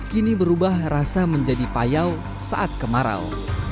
kini berubah rasa menjadi payau saat kemarau